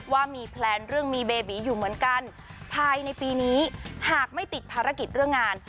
ว่ามีแพลนเรื่องมีเบบีอยู่เหมือนกันภายในปีนี้หากไม่ติดภารกิจเรื่องงาน